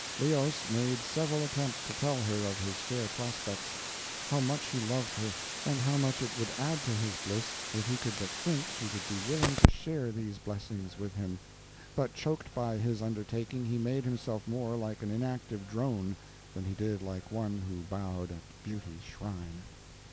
Leos made several attempts to tell her of his fair prospects how much he loved her, and how much it would add to his bliss if he could but think she would be willing to share these blessings with him; but, choked by his undertaking, he made himself more like an inactive drone than he did like one who bowed at beauty's shrine.